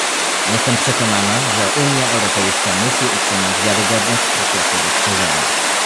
Jestem przekonana, że Unia Europejska musi utrzymać wiarygodność procesu rozszerzenia